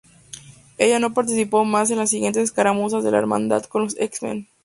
Ella no participó mas en las siguientes escaramuzas de la Hermandad con los X-Men.